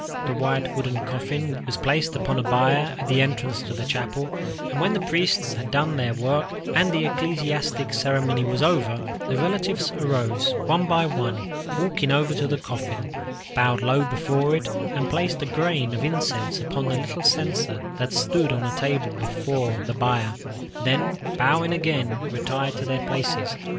The white wooden coffin was placed upon a bier at the entrance to the chapel, and when the priests had done their work, and the ecclesiastical ceremony was over, the relatives arose, one by one, walked over to the coffin, bowed low before it, and placed a grain of incense upon the little censer that stood on a table before the bier, then, bowing again, retired to their places.